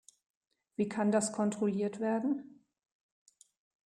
Wie kann das kontrolliert werden?